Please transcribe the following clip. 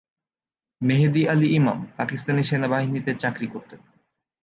মেহেদী আলী ইমাম পাকিস্তানি সেনাবাহিনীতে চাকরি করতেন।